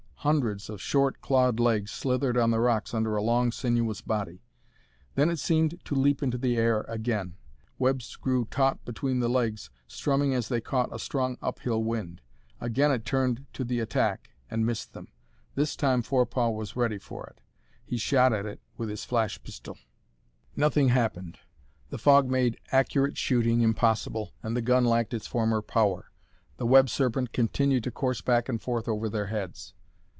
Hundreds of short, clawed legs slithered on the rocks under a long sinuous body. Then it seemed to leap into the air again. Webs grew taut between the legs, strumming as they caught a strong uphill wind. Again it turned to the attack, and missed them. This time Forepaugh was ready for it. He shot at it with his flash pistol. Nothing happened. The fog made accurate shooting impossible, and the gun lacked its former power. The web serpent continued to course back and forth over their heads.